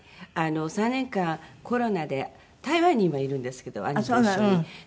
３年間コロナで台湾に今いるんですけど兄と一緒に。